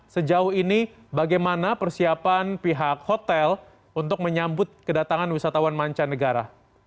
sejauh ini bagaimana persiapan pihak hotel untuk menyambut kedatangan wisatawan mancanegara